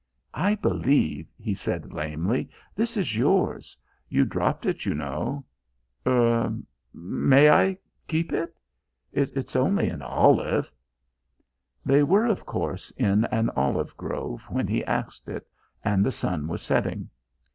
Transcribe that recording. "I believe," he said lamely, "this is yours. You dropped it, you know. Er may I keep it? It's only an olive." They were, of course, in an olive grove when he asked it, and the sun was setting.